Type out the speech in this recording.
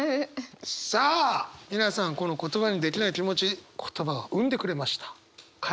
さあ皆さんこの言葉にできない気持ち言葉を生んでくれましたカエラさん。